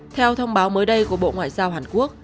theo thông báo mới đây của bộ ngoại giao hàn quốc